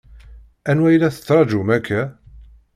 Anwa i la tettṛaǧum akka?